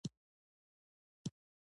عملیات دوه ساعته ونیول.